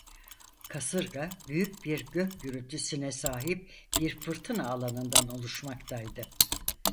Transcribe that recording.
Kasırga büyük bir gök gürültüsüne sahip bir fırtına alanından oluşmaktaydı.